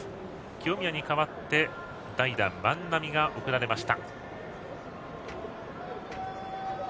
清宮に代わって代打、万波が送られました。